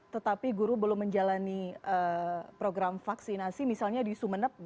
tetapi guru belum menjalani program vaksinasi misalnya di sumeneb